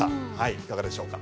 いかがでしょうか。